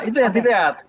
itu yang dilihat